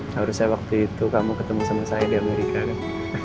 harusnya waktu itu kamu ketemu sama saya di amerika kan